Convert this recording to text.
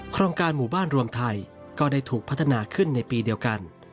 โครงการหมู่บ้านรวมไทยก็ได้ถูกพัฒนาขึ้นในปีเดียวกัน